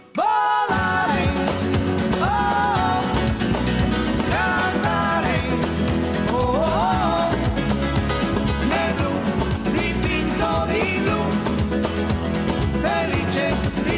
sampai jumpa lagi